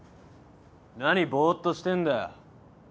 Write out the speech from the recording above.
何ぼーっとしてんだよ。